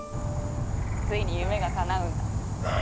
ついに夢がかなうんだ。